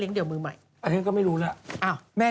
พี่ปุ้ยลูกโตแล้ว